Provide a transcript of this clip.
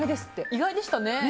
意外でしたね。